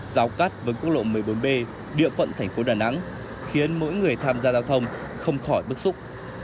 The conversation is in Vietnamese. giao cắt với quốc lộ một mươi bốn b địa phận thành phố đà nẵng khiến mỗi người tham gia giao thông không khỏi bức xúc